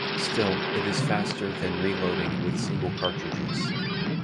Still, it is faster than reloading with single cartridges.